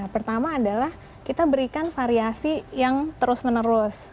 pertama adalah kita berikan variasi yang terus menerus